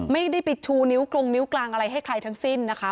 ไม่ได้ไปชูนิ้วกรงนิ้วกลางอะไรให้ใครทั้งสิ้นนะคะ